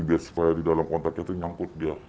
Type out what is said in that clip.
biar supaya di dalam kontaknya tuh nyangkut dia